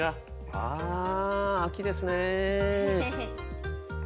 あぁ秋ですね。